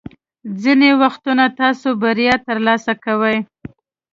ځینې وختونه تاسو بریا ترلاسه کوئ.